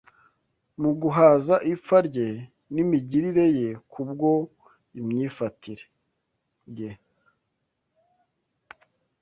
mu guhaza ipfa rye n’imigirire ye kubwo imyifatire ye